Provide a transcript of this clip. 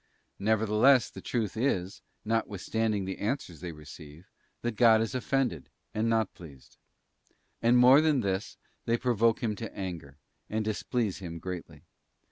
Nevertheless the truth is, notwithstanding the answers they receive, that God is offended, and not pleased. And more than this, they provoke Him to anger, and displease Him greatly.